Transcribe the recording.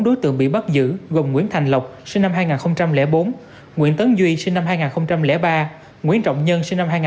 bốn đối tượng bị bắt giữ gồm nguyễn thành lộc nguyễn tấn duy nguyễn trọng nhân